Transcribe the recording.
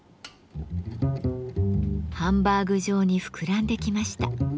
ハンバーグ状に膨らんできました。